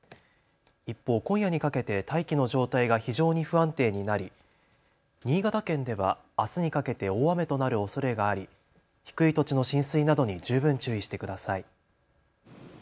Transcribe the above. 一方、今夜にかけて大気の状態が非常に不安定になり新潟県ではあすにかけて大雨となるおそれがあり低い土地の浸水などに十分注意してください。